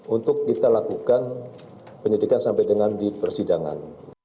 untuk kita lakukan penyidikan sampai dengan di persidangan